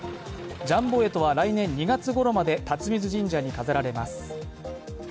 ジャンボ干支は来年２月ごろまで辰水神社に飾られます。